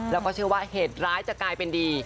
แล้วก็เชื่อว่าเหตุร้ายจะกลายเป็นดี